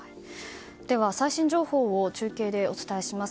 では最新情報を中継でお伝えします。